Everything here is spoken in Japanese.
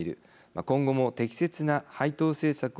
今後も適切な配当政策を策定する。